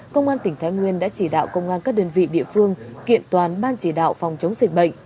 công an tỉnh thái nguyên đã chỉ đạo công an các đơn vị địa phương kiện toàn ban chỉ đạo phòng chống dịch bệnh